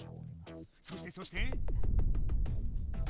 そしてそして？